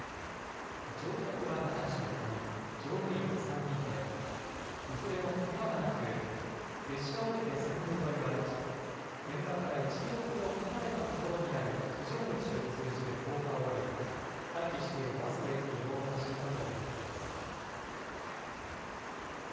乗客は７５人乗務員は３人でいずれも、けがはなく列車を降りて線路沿いを歩き現場から１キロほど離れた所にある非常口を通じて高架を降り待機しているバスで移動を始めたということです。